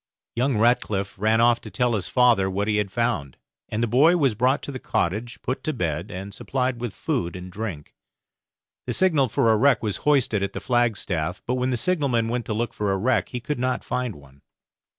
Young Ratcliff ran off to tell his father what he had found; and the boy was brought to the cottage, put to bed, and supplied with food and drink. The signal for a wreck was hoisted at the flagstaff, but when the signallman went to look for a wreck he could not find one.